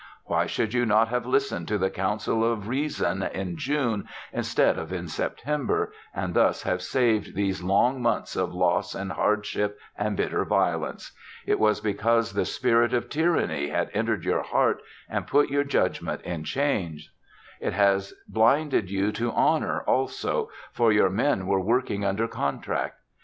Why could you not have listened to the counsel of Reason in June instead of in September, and thus have saved these long months of loss and hardship and bitter violence? It was because the spirit of Tyranny had entered your heart and put your judgment in chains. It had blinded you to honor also, for your men were working under contract.